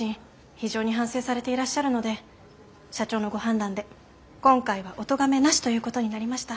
非常に反省されていらっしゃるので社長のご判断で今回はおとがめなしということになりました。